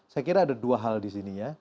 saya kira ada dua hal di sini ya